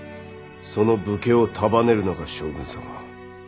その武家を束ねるのが将軍様。